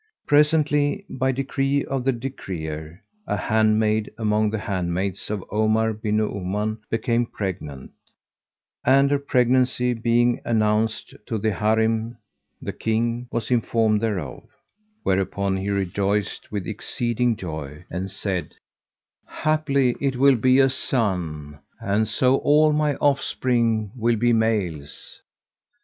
Presently, by decree of the Decreer, a handmaid among the handmaids of Omar bin Nu'uman became pregnant; and, her pregnancy being announced to the Harim, the King was informed thereof; whereupon he rejoiced with exceeding joy and said, "Haply 't will be a son, and so all my offspring will be males!"